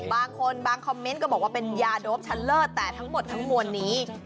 บางคนบางคอมเมนต์ก็บอกว่าเป็นยาโดปชันเลิศแต่ทั้งหมดทั้งมวลนี้